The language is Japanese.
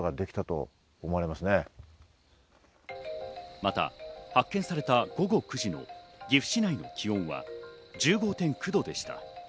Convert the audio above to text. また発見された午後９時の岐阜市内の気温は１５．９度でした。。